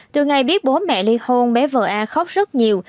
từ ngày biết bố mẹ ly hôn bé vợ a khóc rất nhiều